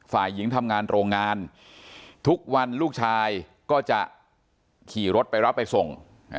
ฝ่ายหญิงทำงานโรงงานทุกวันลูกชายก็จะขี่รถไปรับไปส่ง